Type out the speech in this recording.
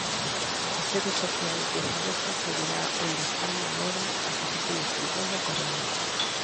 A sede social de Fadesa seguirá onde están agora as oficinas centrais da Coruña.